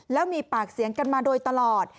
แล้วมีปากเสียงกันมาโดยตลอด